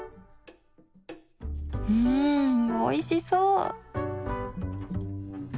うんおいしそう！